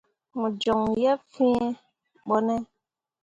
Mo joŋ yeb fee ɓone ?